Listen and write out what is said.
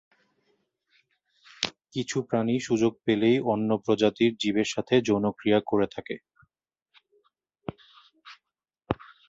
কিছু প্রাণী সুযোগ পেলেই অন্য প্রজাতির জীবের সাথে যৌনক্রিয়া করে থাকে।